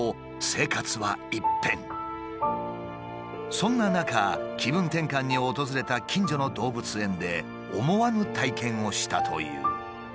そんな中気分転換に訪れた近所の動物園で思わぬ体験をしたという。